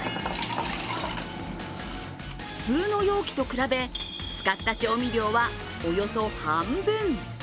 普通の容器と比べ、使った調味料はおよそ半分。